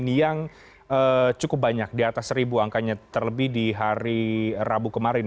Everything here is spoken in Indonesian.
yang cukup banyak di atas seribu angkanya terlebih di hari rabu kemarin